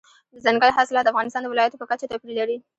دځنګل حاصلات د افغانستان د ولایاتو په کچه توپیر لري.